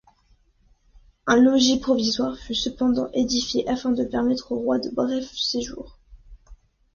Un logis provisoire fut cependant édifié, afin de permettre au roi de brefs séjours.